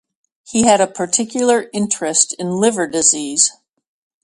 He had a particular interest in liver disease.